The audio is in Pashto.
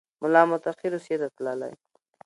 ملا متقي روسیې ته تللی